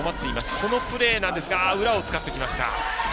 このプレーなんですが裏を使ってきました。